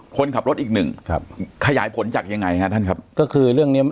คนขับรถอีกหนึ่งครับขยายผลจากยังไงฮะท่านครับก็คือเรื่องเนี้ย